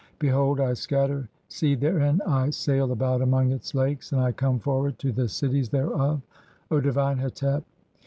Behold (25) I scatter seed therein, I sail "about among its Lakes and I come forward to the cities thereof, "O divine Hetep.